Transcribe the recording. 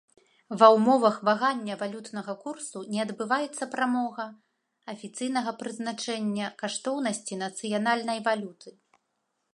Ва ўмовах вагання валютнага курсу не адбываецца прамога афіцыйнага прызначэння каштоўнасці нацыянальнай валюты.